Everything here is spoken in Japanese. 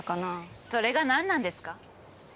それが何なんですか？